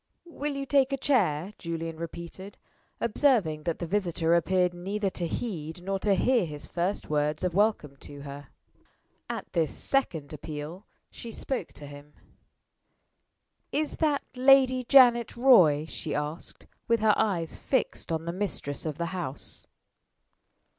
"Will you take a chair?" Julian repeated, observing that the visitor appeared neither to heed nor to hear his first words of welcome to her. At this second appeal she spoke to him. "Is that Lady Janet Roy?" she asked, with her eyes fixed on the mistress of the house.